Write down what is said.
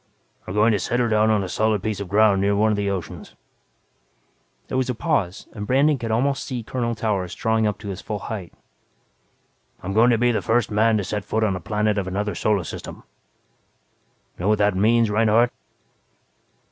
"We're going to set her down on a solid piece of ground near one of the oceans." There was a pause and Brandon could almost see Colonel Towers drawing up to his full height. "I'm going to be the first man to set foot on a planet of another solar system. Know what that means, Reinhardt?"